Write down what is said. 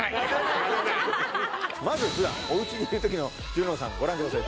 まず普段おうちにいる時のＪＵＮＯＮさんご覧ください